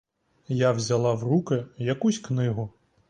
Я взяла в руки якусь книгу.